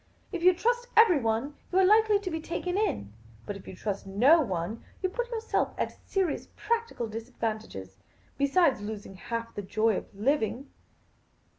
If you trust everyone, you are likely to be taken in ; but if you trust no one, you put yourself at a serious practical disad vantage, besides losing half the joy of living."